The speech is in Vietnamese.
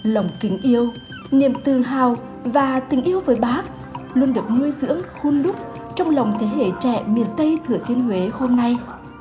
lòng kính yêu niềm tự hào và tình yêu với bác luôn được nuôi dưỡng hôn đúc trong lòng thế hệ trẻ miền tây thừa thiên huế hôm nay